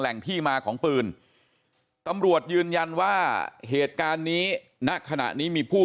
ที่มาของปืนตำรวจยืนยันว่าเหตุการณ์นี้ณขณะนี้มีผู้